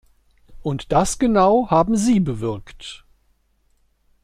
Und das genau haben Sie bewirkt!